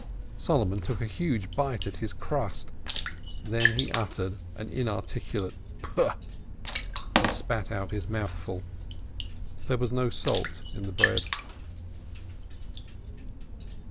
Solomon took a huge bite at his crust, then he uttered an inarticulate "pooh," and spat out his mouthful. There was no salt in the bread.